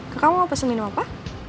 kak kamu mau pesen minum apa